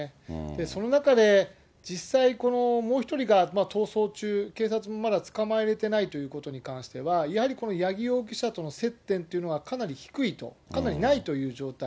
その中で実際、もう１人が逃走中、警察もまだ捕まえれてないということに関しては、やはりこの八木容疑者との接点というのがかなり低いと、かなりないという状態。